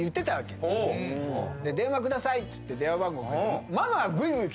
「電話ください」っつって電話番号。